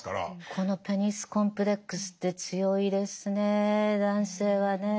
このペニス・コンプレックスって強いですね男性はねえ。